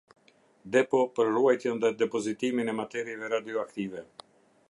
Depo për ruajtjen dhe depozitimin e materieve radioaktive.